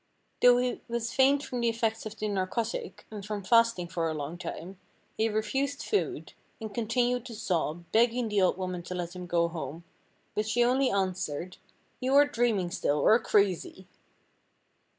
Though he was faint from the effects of the narcotic, and from fasting for a long time, he refused food, and continued to sob, begging the old woman to let him go home, but she only answered, "you are dreaming still, or crazy."